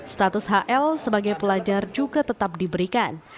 status hl sebagai pelajar juga tetap diberikan